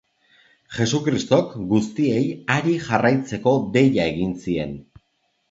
Jesukristok guztiei hari jarraitzeko deia egin zien.